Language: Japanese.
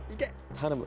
頼む。